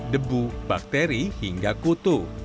debu bakteri hingga kutu